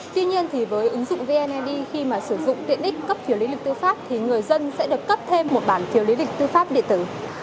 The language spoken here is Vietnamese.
tuy nhiên thì với ứng dụng vneid khi mà sử dụng tiện ích cấp phiếu lý lịch tư pháp thì người dân sẽ được cấp thêm một bản phiếu lý lịch tư pháp điện tử